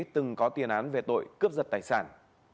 từng có tiền án về tội cướp giật tài sản